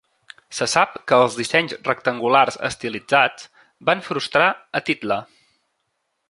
Se sap que els dissenys rectangulars estilitzats van frustrar a Tytla.